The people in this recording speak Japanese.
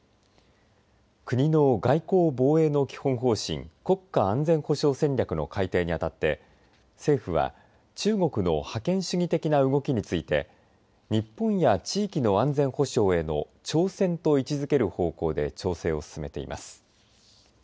国の外交、防衛の基本方針国家安全保障戦略の改定に当たって政府は中国の覇権主義的な動きについて日本や地域の安全保障への挑戦と位置づける方向で調整を進めています。